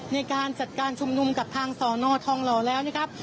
ในการจัดการชุมนุมกับทางสอนอทองหล่อแล้วนะครับ